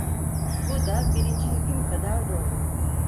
Bu da birinci hüküm kadar doğru.